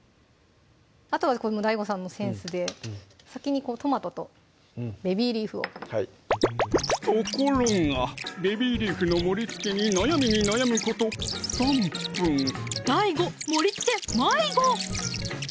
あとはこのＤＡＩＧＯさんのセンスで先にトマトとベビーリーフをはいところがベビーリーフの盛りつけに悩みに悩むこと３分ＤＡＩＧＯ盛りつけ迷子！